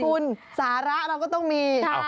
คุณสาระเราก็ต้องมี